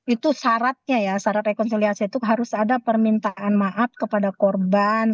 itu syaratnya ya syarat rekonsiliasi itu harus ada permintaan maaf kepada korban